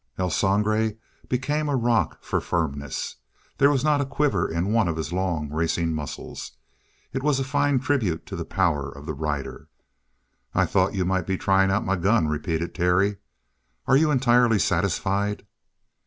El Sangre became a rock for firmness. There was not a quiver in one of his long, racing muscles. It was a fine tribute to the power of the rider. "I thought you might be trying out my gun," repeated Terry. "Are you entirely satisfied?"